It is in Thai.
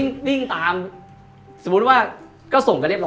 ครั้งนั้นสิบปลูกดระดาษนั้นออกก็แสบเหรอ